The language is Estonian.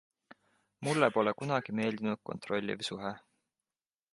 Mulle pole kunagi meeldinud kontrolliv suhe.